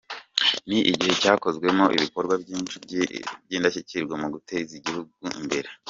Ni igihe cyakozwemo ibikorwa byinshi by’indashyikirwa mu guteza igihugu imbere.